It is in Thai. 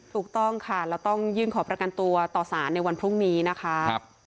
ถูกต้องค่ะแล้วต้องยื่นขอประกันตัวต่อสารในวันพรุ่งนี้นะคะ